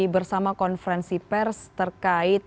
bersama konferensi pers terkait